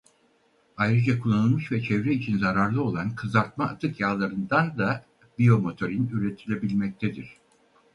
Ayrıca kullanılmış ve çevre için zararlı olan kızartma atık yağlarından da biyomotorin üretilebilmektedir.